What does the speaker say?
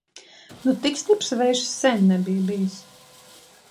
Nu tik stiprs vējš sen nebija bijis!